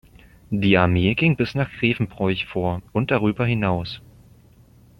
Die Armee ging bis nach Grevenbroich vor und darüber hinaus.